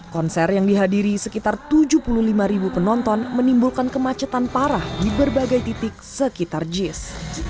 konser yang dihadiri sekitar tujuh puluh lima ribu penonton menimbulkan kemacetan parah di berbagai titik sekitar jis